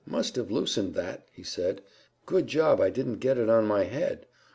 "Must have loosened that," he said; "good job I didn't get it on my head.